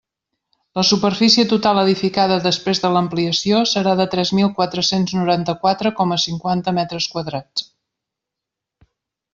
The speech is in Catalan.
La superfície total edificada després de l'ampliació serà de tres mil quatre-cents noranta-quatre coma cinquanta metres quadrats.